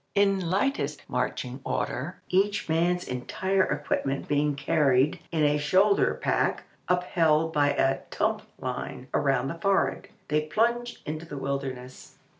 In lightest marching order, each man's entire equipment being carried in a shoulder pack upheld by a "tump line" around the forehead, they plunge into the wilderness.